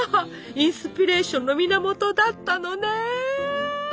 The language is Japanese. インスピレーションの源だったのね！